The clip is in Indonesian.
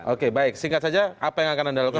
oke baik singkat saja apa yang akan anda lakukan